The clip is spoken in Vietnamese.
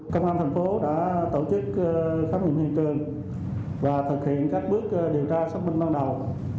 công an thành phố đã tổ chức khám nghiệm hiện trường và thực hiện các bước điều tra xác minh ban đầu